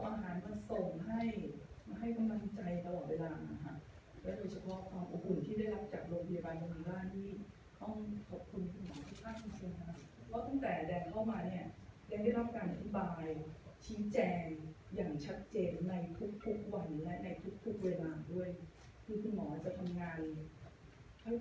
มีความรู้สึกว่ามีความรู้สึกว่ามีความรู้สึกว่ามีความรู้สึกว่ามีความรู้สึกว่ามีความรู้สึกว่ามีความรู้สึกว่ามีความรู้สึกว่ามีความรู้สึกว่ามีความรู้สึกว่ามีความรู้สึกว่ามีความรู้สึกว่ามีความรู้สึกว่ามีความรู้สึกว่ามีความรู้สึกว่ามีความรู้สึกว